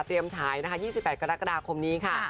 เตรียมฉายนะคะ๒๘กรกฎาคมนี้ค่ะ